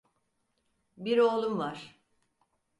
Bir oğlum var.